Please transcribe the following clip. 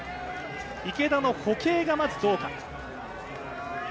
池田の歩型がまずどうか。